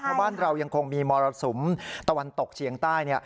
เพราะบ้านเรายังคงมีมรสุมตะวันตกเฉียงใต้